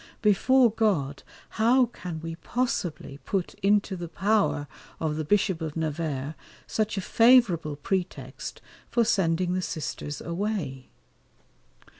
Before God, how can we possibly put into the power of the Bishop of Nevers such a favourable pretext for sending the sisters away?